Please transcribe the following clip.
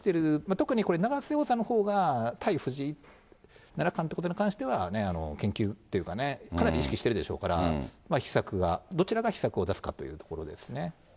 特にこれ、永瀬王座のほうが、対藤井七冠ということに関しては、研究というかね、かなり意識してるでしょうからね、秘策が、どちらが秘策を出すかというところですね。